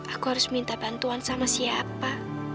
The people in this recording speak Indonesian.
aku harus minta bantuan sama siapa